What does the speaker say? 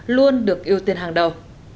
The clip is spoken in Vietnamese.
luôn được ưu tiên hàng đầu